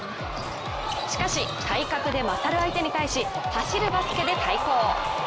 しかし、体格で勝る相手に対し走るバスケで対抗。